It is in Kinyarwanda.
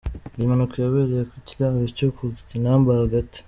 Iyi mpanuka yabereye ku Kiraro cyo ku Kinamba hagati.